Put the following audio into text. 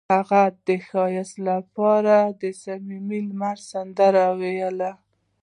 هغې د ښایسته خاطرو لپاره د صمیمي لمر سندره ویله.